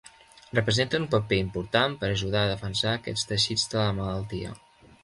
Representen un paper important per ajudar a defensar aquests teixits de la malaltia.